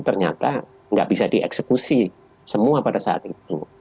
ternyata nggak bisa dieksekusi semua pada saat itu